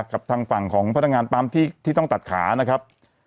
เพราะจะเป็นเรื่องที่ต้องตัดขานะครับ